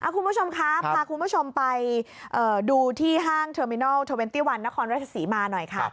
คุณผู้ชมครับพาคุณผู้ชมไปดูที่ห้างเทอร์มินัล๒๑นครรัฐศรีมาหน่อยค่ะ